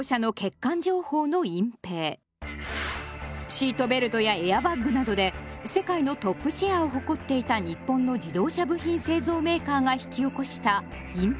シートベルトやエアバッグなどで世界のトップシェアを誇っていた日本の自動車部品製造メーカーが引き起こした隠ぺい事件です。